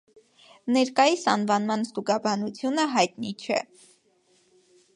Ներկայիս անվանման ստուգաբանությունը հայտնի չէ։